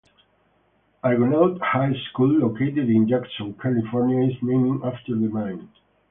Argonaut High School located in Jackson, California, is named after the mine.